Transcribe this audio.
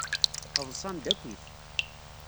Ḍsan-d akkit.